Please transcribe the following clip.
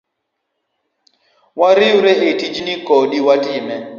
Wariwre etijni kodi watime.